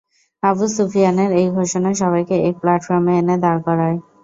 আবু সুফিয়ানের এই ঘোষণা সবাইকে এক প্লাটফর্মে এনে দাঁড় করায়।